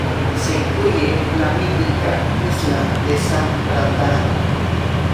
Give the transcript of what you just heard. Se incluye la mítica Isla de San Brandán.